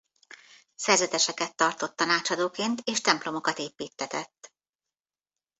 Szerzeteseket tartott tanácsadóként és templomokat építtetett.